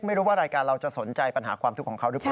ไม่รู้ว่ารายการเราจะสนใจปัญหาความทุกข์ของเขาหรือเปล่า